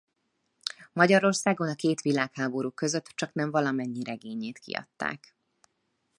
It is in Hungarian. Magyarországon a két világháború között csaknem valamennyi regényét kiadták.